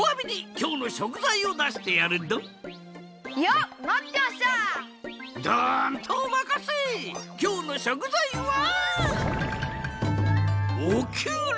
きょうのしょくざいはオクラ！